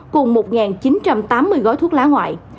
cùng một chín trăm tám mươi gói thuốc lá ngoại